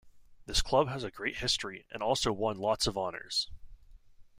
This club has a great history, and also won lots of honours!